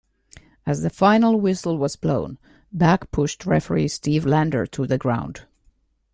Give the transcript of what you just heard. As the final whistle was blown, Back pushed referee Steve Lander to the ground.